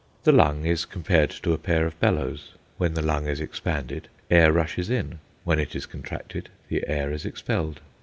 The lung is compared to a pair of bellows. When the lung is expanded, air rushes in; when it is contracted, the air is expelled.